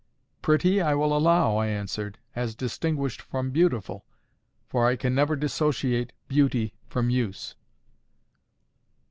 "Pretty, I will allow," I answered, "as distinguished from beautiful. For I can never dissociate beauty from use."